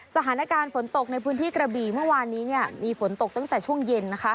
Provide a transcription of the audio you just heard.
สถานการณ์ฝนตกในพื้นที่กระบีเมื่อวานนี้มีฝนตกตั้งแต่ช่วงเย็น